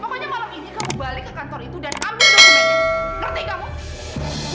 pokoknya malam ini kamu balik ke kantor itu dan ambil dokumennya